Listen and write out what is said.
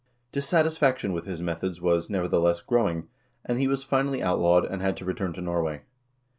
Dissatisfaction with his methods was, nevertheless, growing, and he was finally outlawed, and had to re turn to Norway.